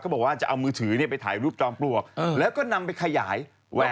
เขาบอกว่าจะเอามือถือเนี่ยไปถ่ายรูปจอมปู่กแล้วก็นำไปขยายแวก